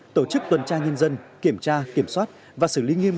tổ chức tuần tra nhân dân kiểm tra kiểm soát và xử lý nghiêm